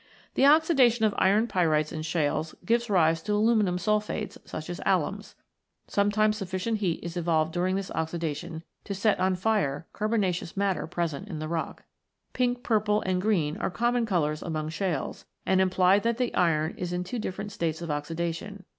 The oxidation of iron pyrites in shales gives rise to aluminium sulphates, such as alums. Sometimes sufficient heat is evolved during this oxidation to set on fire carbonaceous matter present in the rock. Pink purple and green are common colours among shales, and imply that the iron is in two different states of oxidation.